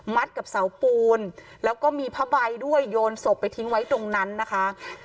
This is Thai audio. กับเสาปูนแล้วก็มีผ้าใบด้วยโยนศพไปทิ้งไว้ตรงนั้นนะคะ